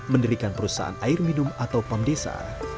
mendirikan perusahaan air minum atau pam desa